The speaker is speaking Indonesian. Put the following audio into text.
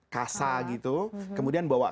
kasa gitu kemudian membawa